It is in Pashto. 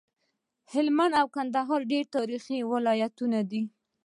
هلمند او کندهار ډير تاريخي ولايتونه دي